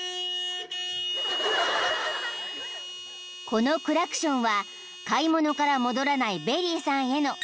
［このクラクションは買い物から戻らないベリーさんへの］